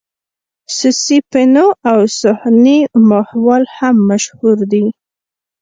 سسي پنو او سوهني ماهيوال هم مشهور دي.